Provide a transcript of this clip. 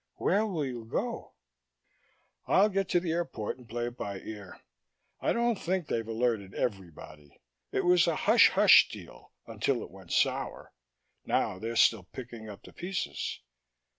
"Where will you go?" "I'll get to the airport and play it by ear. I don't think they've alerted everybody. It was a hush hush deal, until it went sour; now they're still picking up the pieces."